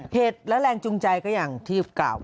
เหตุและแรงจูงใจก็อย่างที่กล่าว